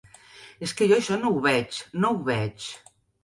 És que jo això no ho veig, no ho veig.